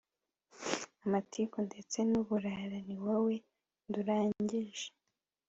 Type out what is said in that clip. amatiku, ndetse n'uburara, ni wowe nduragije